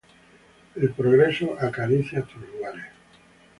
El progreso acaricia tus lares.